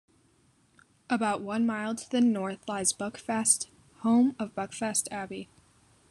About one mile to the north lies Buckfast, home of Buckfast Abbey.